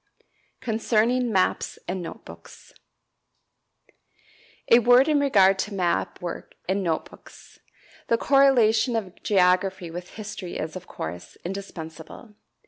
Concerning Maps and Note Books. A word in regard to map work and note books. The correlation of geography with history is, of course, indispensable.